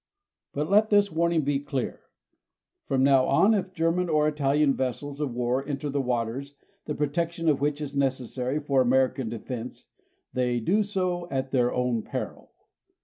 But let this warning be clear. From now on, if German or Italian vessels of war enter the waters, the protection of which is necessary for American defense, they do so at their own peril.